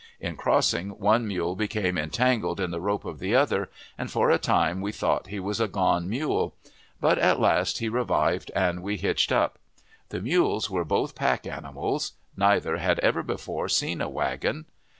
In crossing, one mule became entangled in the rope of the other, and for a time we thought he was a gone mule; but at last he revived and we hitched up. The mules were both pack animals; neither had ever before seen a wagon.